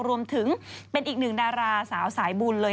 รวมถึงเป็นอีกหนึ่งดาราสาวสายบุญเลย